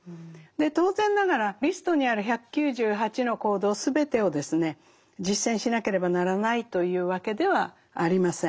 当然ながらリストにある１９８の行動全てをですね実践しなければならないというわけではありません。